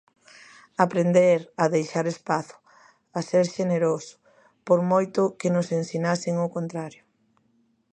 Aprender a deixar espazo, a ser xeneroso... por moito que nos ensinasen o contrario.